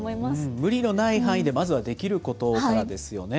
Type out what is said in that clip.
無理のない範囲でまずはできることからですよね。